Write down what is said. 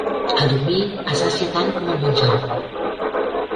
El dormir assacia tant com el menjar.